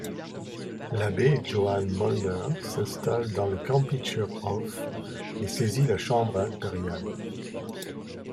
L'abbé Johann Molner s'installe dans le Kampischer Hof et saisit la Chambre impériale.